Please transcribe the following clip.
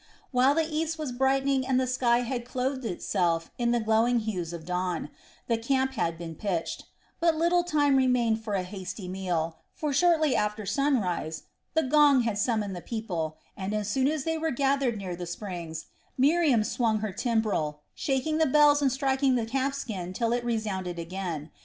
While the east was brightening and the sky had clothed itself in the glowing hues of dawn, the camp had been pitched; but little time remained for a hasty meal for, shortly after sunrise, the gong had summoned the people and, as soon as they gathered near the springs, Miriam swung her timbrel, shaking the bells and striking the calf skin till it resounded again.